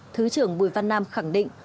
thứ trưởng bùi văn nam khẳng định